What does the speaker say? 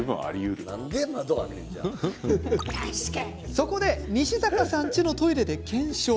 そこで西坂さんちのトイレで検証。